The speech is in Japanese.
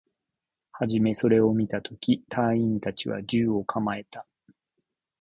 はじめそれを見たとき、隊員達は銃を構えた